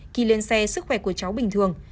khi lên xe sức khỏe của cháu bình thường